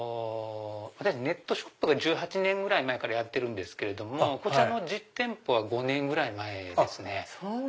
ネットショップが１８年前からやってるんですけれどもこちらの実店舗は５年ぐらい前ですね。